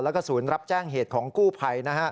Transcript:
แล้วก็ศูนย์รับแจ้งเหตุของกู้ภัย